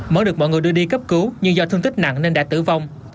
mới được mọi người đưa đi cấp cứu nhưng do thương tích nặng nên đã tử vong